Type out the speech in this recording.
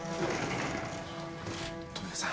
・富生さん